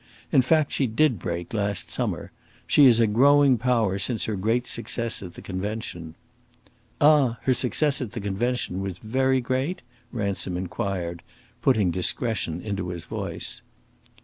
In fact she did break, last summer. She is a growing power since her great success at the convention." "Ah! her success at the convention was very great?" Ransom inquired, putting discretion into his voice.